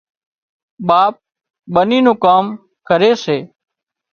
ٻاپ ٻني نون ڪام ڪري سي